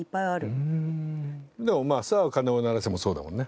でもまあ『さぁ鐘を鳴らせ』もそうだもんね。